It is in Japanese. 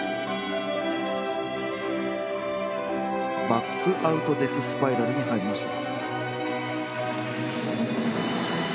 バックアウトデススパイラルに入りました。